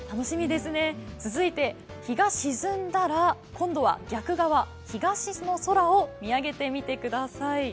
続いて、日が沈んだら今度は逆側、東の空を見上げてみてください。